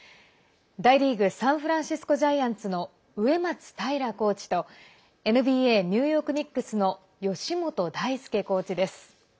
大リーグ、サンフランシスコ・ジャイアンツの植松泰良コーチとＮＢＡニューヨーク・ニックスの吉本泰輔コーチです。